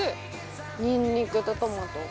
ニンニクとトマト